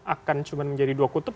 akan cuma menjadi dua kutub